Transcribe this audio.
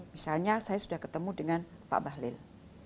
misalnya saya sudah ketemu dengan pak bahlil